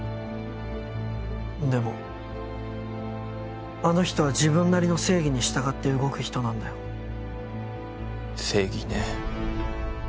でもあの人は自分なりの正義に従って動く人なんだよ。正義ね。